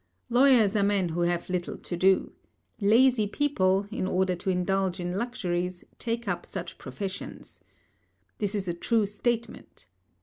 Lawyers are men who have little to do. Lazy people, in order to indulge in luxuries, take up such professions. This is a true statement.